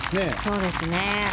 そうですね。